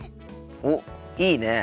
おっいいねえ。